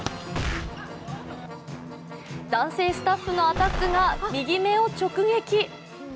男性スタッフのアタックが右目を直撃。